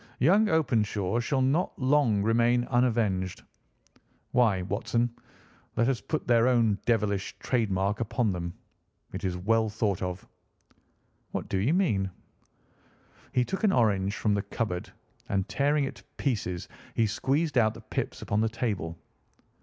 Young Openshaw shall not long remain unavenged. Why, Watson, let us put their own devilish trade mark upon them. It is well thought of!" "What do you mean?" He took an orange from the cupboard, and tearing it to pieces he squeezed out the pips upon the table.